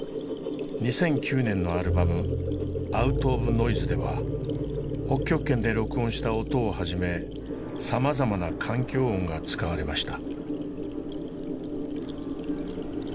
２００９年のアルバム「ｏｕｔｏｆｎｏｉｓｅ」では北極圏で録音した音をはじめさまざまな環境音が使われました。